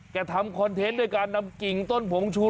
ทำคอนเทนต์ด้วยการนำกิ่งต้นผงชู